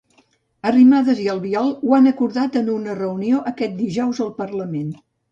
Arrimadas i Albiol ho han acordat en una reunió aquest dijous al Parlament.